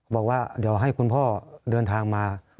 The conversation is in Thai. มาว่าให้คุณพ่อเดินทางมา